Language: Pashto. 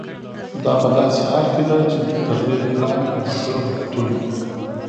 دا په داسې حال کې ده چې تر دې وړاندې د ملګرو ملتونو